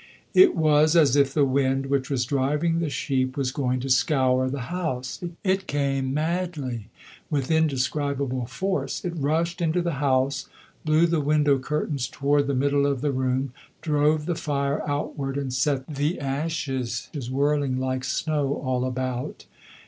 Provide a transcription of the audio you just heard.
It was as if the wind which was driving the sheep was going to scour the house. It came madly, with indescribable force; it rushed into the house, blew the window curtains toward the middle of the room, drove the fire outward and set the ashes whirling like snow all about.